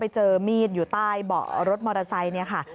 ไปเจอมีดอยู่ใต้เบาะรถมอเตอร์ไซซ์